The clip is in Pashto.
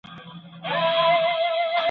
زما څه ليري له ما پاته سول خواږه ملګري